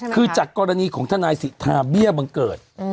คือจากกรณีของทนายสิทธาเบี้ยบังเกิด